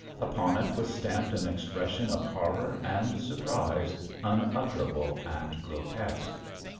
Upon it was stamped an expression of horror and surprise, unutterable and grotesque.